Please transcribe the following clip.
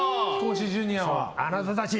あなたたち！